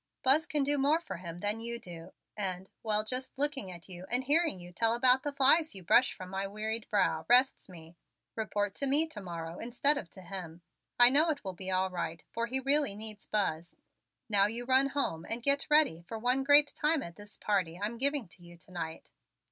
Buzz can do more for him than you do and and, well, just looking at you and hearing you tell about the flies you brush from my wearied brow, rests me. Report to me to morrow instead of to him. I know it will be all right, for he really needs Buzz. Now you run home and get ready for one great time at this party I'm giving to you to night.